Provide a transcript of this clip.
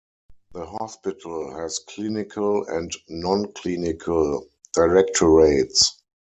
The hospital has clinical and non-clinical directorates.